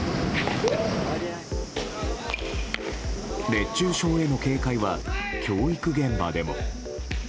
熱中症への警戒は教育現場でも。